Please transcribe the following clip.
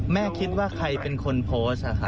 แม่คิดว่าใครเป็นคนโพสต์